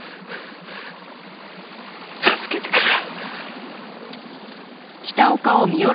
助けてくれ！